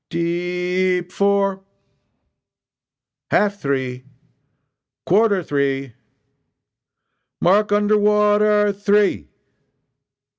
"De e p four!" "Half three!" "Quarter three!" "Mark under wa a ter three!"